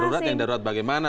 darurat yang darurat bagaimana